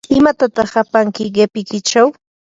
¿imatataq apanki qipikichaw?